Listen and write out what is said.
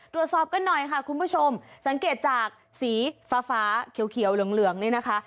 ตรวจสอบกันหน่อยค่ะคุณผู้ชมสังเกตจากสีฟ้าฟ้าเขียวเหลืองนี่นะคะ